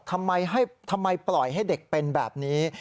ทำไมปล่อยให้เด็กเป็นแบบนี้